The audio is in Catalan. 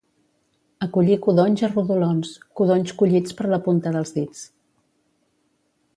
A collir codonys a rodolons, codonys collits per la punta dels dits.